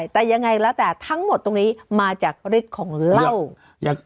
แต่ยังไงแล้วแต่ทั้งหมดตรงนี้มาจากฤทธิ์ของเหล้า